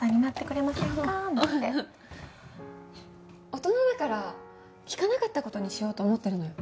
大人だから聞かなかった事にしようと思ってるのよ。